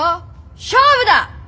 勝負だッ！！